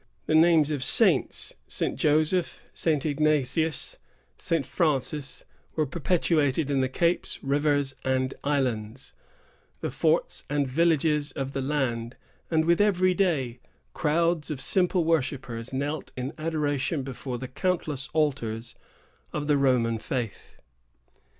The names of saints, St. Joseph, St. Ignatius, St. Francis, were perpetuated in the capes, rivers, and islands, the forts and villages of the land; and with every day, crowds of simple worshippers knelt in adoration before the countless altars of the Roman faith.